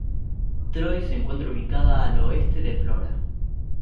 Troy se encuentra ubicada al oeste de Flora.